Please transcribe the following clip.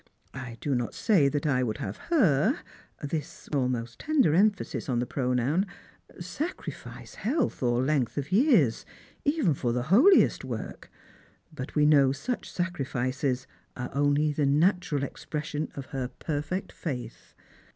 I do not say that I would have her "— this with an almost tender emphasis on the pronoun — "sacrifice health or length of years even for the holiest work, but we know such Bacrifices are only the natural expression of her perfect faith.